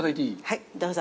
はい、どうぞ。